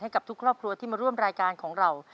กับทุกครอบครัวที่มาร่วมรายการของเรา